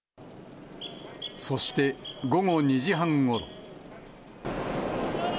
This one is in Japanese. そして、午後２時半ごろ。